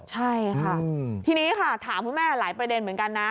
ใช่ค่ะทีนี้ค่ะถามคุณแม่หลายประเด็นเหมือนกันนะ